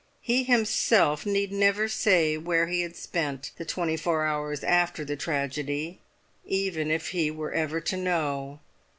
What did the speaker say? He himself need never say where he had spent the twenty four hours after the tragedy, even if he were ever to know.